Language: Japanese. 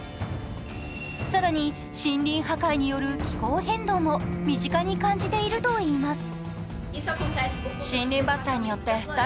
更に、森林破壊による気候変動も身近に感じているといいます。